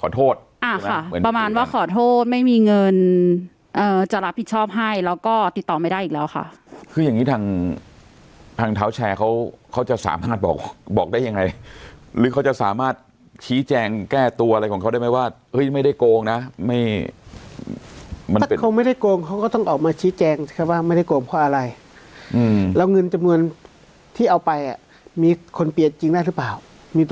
ขอโทษอ่าค่ะเหมือนประมาณว่าขอโทษไม่มีเงินจะรับผิดชอบให้แล้วก็ติดต่อไม่ได้อีกแล้วค่ะคืออย่างงี้ทางทางเท้าแชร์เขาเขาจะสามารถบอกบอกได้ยังไงหรือเขาจะสามารถชี้แจงแก้ตัวอะไรของเขาได้ไหมว่าเฮ้ยไม่ได้โกงนะไม่มันคงไม่ได้โกงเขาก็ต้องออกมาชี้แจงแค่ว่าไม่ได้โกงเพราะอะไรอืมแล้วเงินจำนวนที่เอาไปอ่ะมีคนเปลี่ยนจริงได้หรือเปล่ามีต